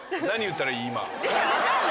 分かんない！